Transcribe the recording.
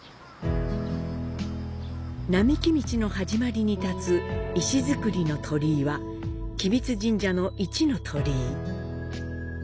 並木道の始まりに立つ石造りの鳥居は、吉備津神社の一ノ鳥居。